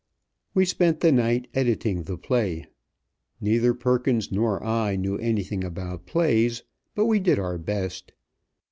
We spent the night editing the play. Neither Perkins nor I knew anything about plays, but we did our best.